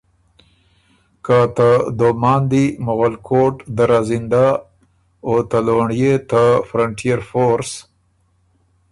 که ته دوماندی، مغلکوټ، دره زنده او ته لونړيې ته فرنټئر فورس